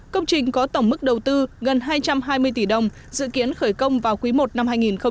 công trình có tổng mức đầu tư gần hai trăm hai mươi tỷ đồng dự kiến khởi công vào quý i năm hai nghìn hai mươi